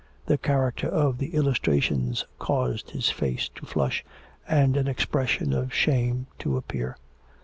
The character of the illustrations caused his face to flush, and an expression of shame to appear.